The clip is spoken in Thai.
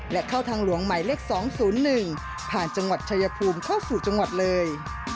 และเข้าทางหลวงหมายเลข๒๐๑ผ่านจังหวัดชายภูมิเข้าสู่จังหวัดเลย